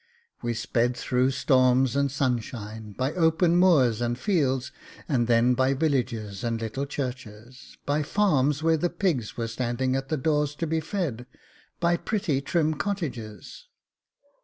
We sped through storms and sunshine, by open moors and fields, and then by villages and little churches, by farms where the pigs were standing at the doors to be fed, by pretty trim cottages.